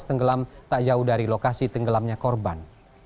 tenggelam tak jauh dari lokasi tenggelamnya korban